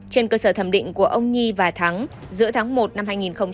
trên cơ sở thẩm định của ông nhi và thắng giữa tháng một năm hai nghìn một mươi tám